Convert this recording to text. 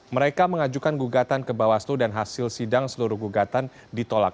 mereka mengajukan gugatan ke bawaslu dan hasil sidang seluruh gugatan ditolak